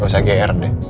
gak usah gr deh